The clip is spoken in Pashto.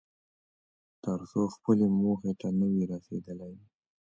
تر څو خپلې موخې ته نه وې رسېدلی.